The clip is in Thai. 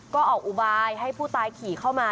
ก็ออกอุบายให้ผู้ตายขี่เข้ามา